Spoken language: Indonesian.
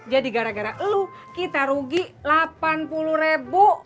jadi gara gara lo kita rugi rp delapan puluh